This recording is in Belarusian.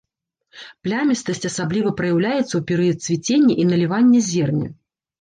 Плямістасць асабліва праяўляецца ў перыяд цвіцення і налівання зерня.